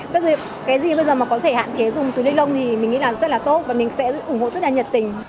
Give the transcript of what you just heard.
cái gì bây giờ mà có thể hạn chế dùng túi ni lông thì mình nghĩ là rất là tốt và mình sẽ ủng hộ rất là nhật tình